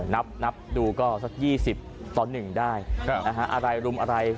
นับนับดูก็สักยี่สิบตอนหนึ่งได้ครับอ่าฮะอะไรรุมอะไร